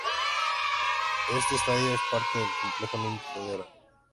Este estadio es parte del Complejo Olímpico de Orán.